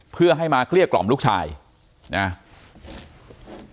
เพื่อให้มาเกลี้ยกล่อมลูกชายนะ